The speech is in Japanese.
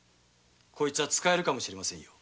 こいつは使えるかもしれません。